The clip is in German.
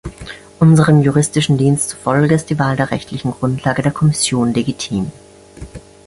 Unserem Juristischen Dienst zufolge ist die Wahl der rechtlichen Grundlage der Kommission legitim.